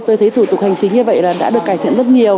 tôi thấy thủ tục hành chính như vậy là đã được cải thiện rất nhiều